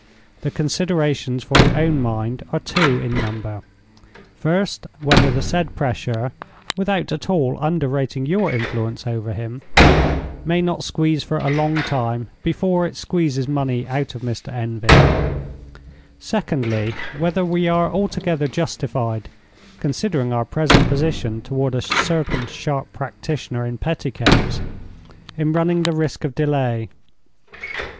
The considerations for your own mind are two in number. First, whether the said pressure (without at all underrating your influence over him) may not squeeze for a long time before it squeezes money out of Mr. N. V. Secondly, whether we are altogether justified—considering our present position toward a certain sharp practitioner in petticoats—in running the risk of delay.